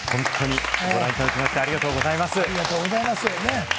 ご覧いただきまして、ありがとうございます。